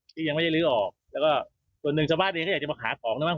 ที่ยังไม่ได้ลื้อออกแล้วก็คนหนึ่งชะมัดเองก็จะไปหาของนี่บ้าง